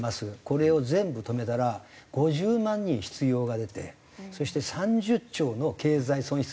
これを全部止めたら５０万人失業が出てそして３０兆の経済損失らしいです。